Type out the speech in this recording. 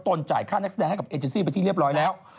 จ่ายค่านักแสดงให้กับเอเจซี่ไปที่เรียบร้อยแล้ว